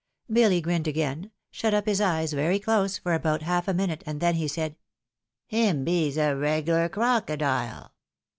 Billy grinned again, shut up his eyes very close for about half a minute, and then said, " Him bees a reg'lar crocodile."